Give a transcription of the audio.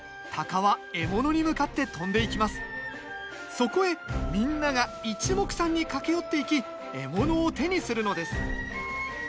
そこへみんながいちもくさんに駆け寄って行き獲物を手にするのです。